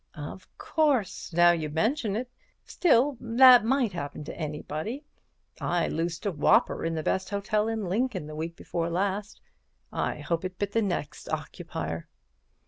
"Of course, now you mention it. Still, that might happen to anybody. I loosed a whopper in the best hotel in Lincoln the week before last. I hope it bit the next occupier!"